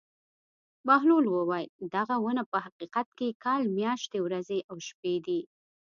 بهلول وویل: دغه ونه په حقیقت کې کال میاشتې ورځې او شپې دي.